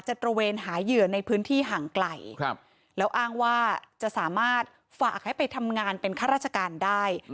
ตระเวนหาเหยื่อในพื้นที่ห่างไกลแล้วอ้างว่าจะสามารถฝากให้ไปทำงานเป็นข้าราชการได้